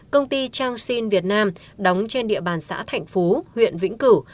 công ty changxin việt nam đóng trên địa bàn xã thành phú huyện vĩnh cửu